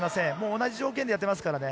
同じ条件でやっていますからね。